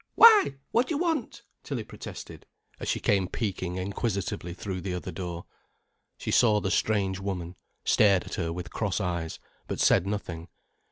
"Why, what d'you want?" Tilly protested, as she came peeking inquisitively through the other door. She saw the strange woman, stared at her with cross eyes, but said nothing.